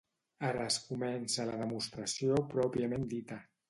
Ara es comença la demostració pròpiament dita.